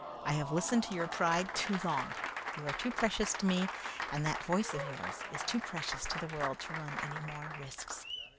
I have listened to your pride too long. You are too precious to me, and that voice of yours is too precious to the world to run any more risks."